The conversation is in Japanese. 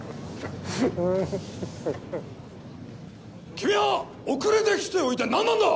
君は遅れて来ておいて何なんだ！